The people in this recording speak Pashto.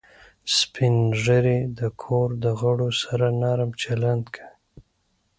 سپین ږیری د کور د غړو سره نرم چلند کوي